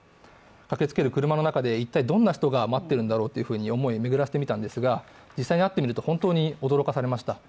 駆けつける車の中で、一体どんな人が待っているんだろうと思いを巡らせてみたんですが実際に会ってみると、本当に驚かされました。